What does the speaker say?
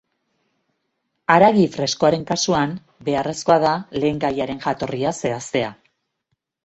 Haragi freskoaren kasuan, beharrezkoa da lehengaiaren jatorria zehaztea.